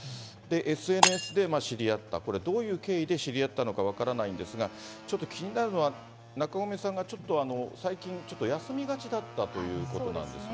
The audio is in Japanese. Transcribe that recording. ＳＮＳで知り合った、これ、どういう経緯で知り合ったのか分からないんですが、ちょっと気になるのは、中込さんがちょっと、最近ちょっと休みがちだったということなんですね。